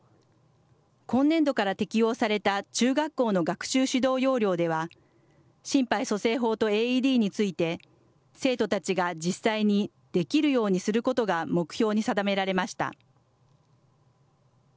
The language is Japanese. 今年度から適用された中学校の学習指導要領では心肺蘇生法とＡＥＤについて生徒たちが実際にできるようにすることが目標に定められました。